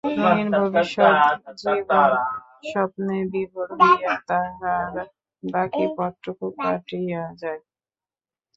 রঙিন ভবিষ্যৎ জীবন-স্বপ্নে বিভোর হইয়া তাহার বাকি পথটুকু কাটিয়া যায়।